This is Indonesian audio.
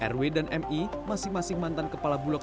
rw dan mi masing masing mantan kepala bulog